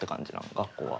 学校は。